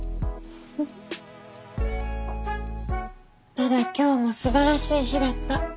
ただ今日もすばらしい日だった。